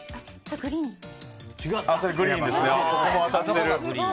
グリーンでした。